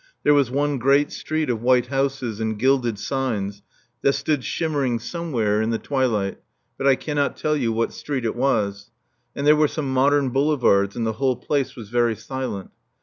There was one great street of white houses and gilded signs that stood shimmering somewhere in the twilight; but I cannot tell you what street it was. And there were some modern boulevards, and the whole place was very silent.